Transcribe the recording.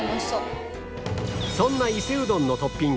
そんな伊勢うどんのトッピング